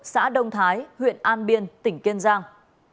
xã đông thái huyện an biên tỉnh kiên giang